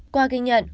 qua ghi nhận